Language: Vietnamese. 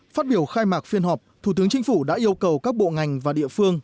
phát biểu khai mạc phiên họp thủ tướng chính phủ đã yêu cầu các bộ ngành và địa phương